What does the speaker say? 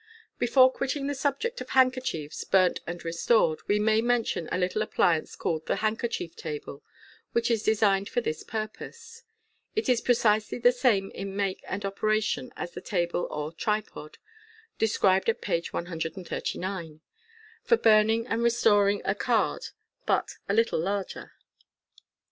Before quitting the subject of handkerchiefs burnt and restored, we may mention a little appliance called the *' handkerchief table," which is designed for this purpose. It is precisely the same in make and operation as the table or tripod, described at page 139, for burning and restoring a card, but a little larger.